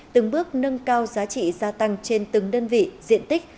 từng bước nâng cao giá trị gia tăng trên từng đơn vị diện tích